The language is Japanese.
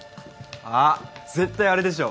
あっ絶対あれでしょ？